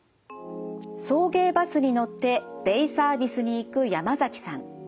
送迎バスに乗ってデイサービスに行く山崎さん。